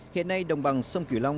hiện nay đồng bằng sông kiểu long